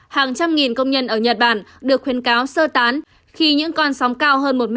hàng trăm nghìn công nhân ở nhật bản được khuyến cáo sơ tán khi những con sóng cao hơn một m